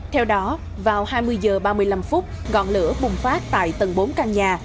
theo đó vào hai mươi giờ ba mươi năm phút gọn lửa bùng phát tại tầng bốn căn nhà